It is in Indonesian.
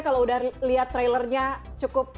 kalau udah lihat trailernya cukup